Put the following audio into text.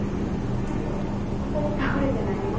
て言うかホントに倒れて何も。